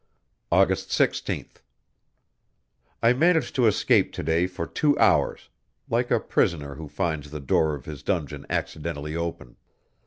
August 16th. I managed to escape to day for two hours, like a prisoner who finds the door of his dungeon accidentally open.